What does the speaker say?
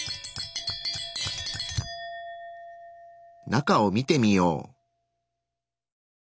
中を見てみよう。